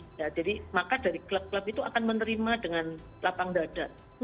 jadi maka dari klub klub itu akan menerima dengan lapang dada